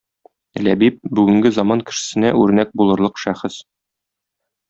Ләбиб - бүгенге заман кешесенә үрнәк булырлык шәхес.